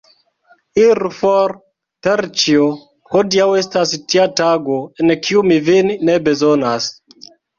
Iru for, Terĉjo, hodiaŭ estas tia tago, en kiu mi vin ne bezonas.